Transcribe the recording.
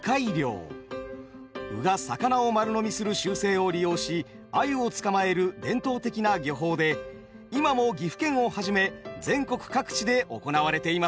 鵜が魚を丸飲みする習性を利用し鮎を捕まえる伝統的な漁法で今も岐阜県をはじめ全国各地で行われています。